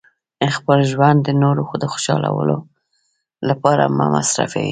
خپل ژوند د نورو د خوشحالولو لپاره مه مصرفوئ.